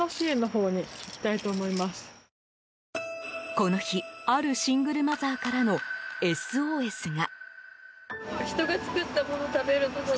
この日あるシングルマザーからのＳＯＳが。